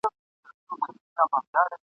د ښار خلک هم پر دوو برخو وېشلي !.